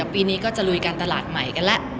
ตอนนี้ก็จะลุยกันตลาดใหม่ไก่ละ